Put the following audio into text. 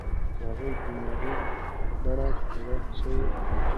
د هغوی دماغي بڼې څېړل شوې دي.